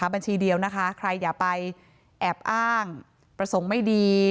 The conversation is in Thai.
บัญชีเดียวนะคะใครอย่าไปแอบอ้างประสงค์ไม่ดี